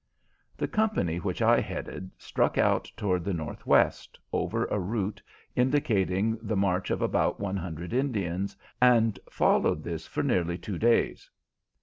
The company which I headed struck out toward the northwest, over a route indicating the march of about one hundred Indians, and followed this for nearly two days.